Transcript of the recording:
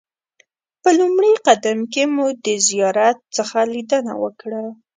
په لومړي قدم کې مو د زیارت څخه لیدنه وکړه.